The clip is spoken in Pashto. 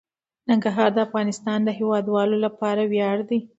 ننګرهار د افغانستان د هیوادوالو لپاره ویاړ دی.